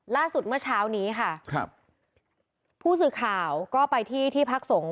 ล่าสุดเมื่อเช้านี้ค่ะผู้สื่อข่าวก็ไปที่ที่พักทรง